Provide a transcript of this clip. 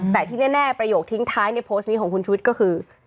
แต่ที่แน่ประโยคทิ้งท้ายในโพสต์นี้ของคุณชุวิตก็คือ